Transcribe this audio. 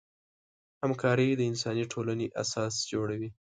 همکاري د انساني ټولنې اساس جوړوي.